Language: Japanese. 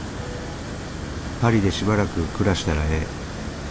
パリでしばらく暮らしたらええ。